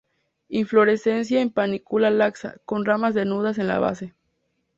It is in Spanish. Inflorescencia en panícula laxa, con ramas desnudas en la base.